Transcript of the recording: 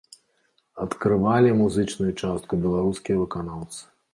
Адкрывалі музычную частку беларускія выканаўцы.